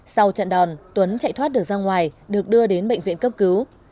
sau trận đòn tuấn chạy thoát được ra ngoài được đưa đến bệnh viện cấp cứu